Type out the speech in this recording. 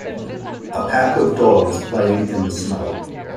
A pack of dogs playing in the snow.